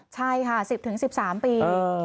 ใช่ค่ะ๑๐๑๓ปี